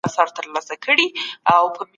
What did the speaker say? کمپيوټر پوښتنو ته جواب وايي.